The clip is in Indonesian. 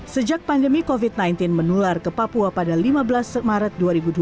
sejak pandemi covid sembilan belas menular ke papua pada lima belas maret dua ribu dua puluh